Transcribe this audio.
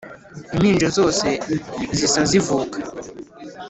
impinja zose zisa zivuka,